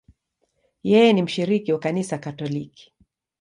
Yeye ni mshiriki wa Kanisa Katoliki.